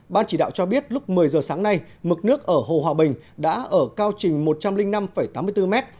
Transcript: ban chỉ đạo cho biết lúc một mươi giờ sáng nay mực nước ở hồ hòa bình đã ở cao trình một trăm linh năm tám mươi bốn m